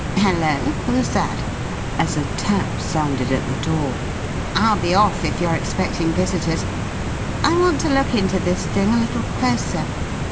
Hello! Who's that?" as a tap sounded at the door. "I'll be off if you're expecting visitors. I want to look into this thing a little closer.